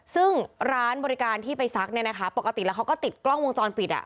ซึ่งร้านบริการที่ไปซักเนี่ยนะคะปกติแล้วเขาก็ติดกล้องวงจรปิด